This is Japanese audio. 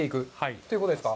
ということですか。